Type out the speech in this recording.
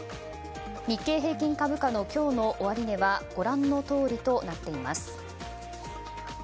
日経平均株価の今日の終値はご覧のとおりとなっています。